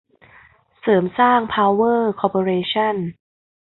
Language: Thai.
เสริมสร้าง พาวเวอร์ คอร์ปอเรชั่น